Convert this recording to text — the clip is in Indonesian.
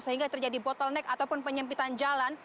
sehingga terjadi bottleneck ataupun penyempitan jalan